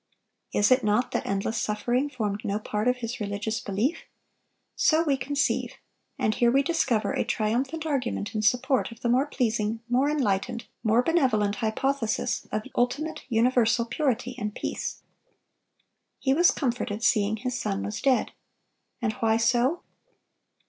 Is it not that endless suffering formed no part of his religious belief? So we conceive; and here we discover a triumphant argument in support of the more pleasing, more enlightened, more benevolent hypothesis of ultimate universal purity and peace. He was comforted, seeing his son was dead. And why so?